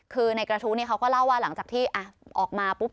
คือในกระทู้เขาก็เล่าว่าหลังจากที่ออกมาปุ๊บ